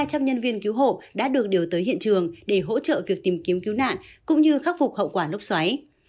ba trăm linh nhân viên cứu hộ đã được điều tới hiện trường để hỗ trợ việc tìm kiếm cứu nạn cũng như khắc phục hậu quả lốc xoáy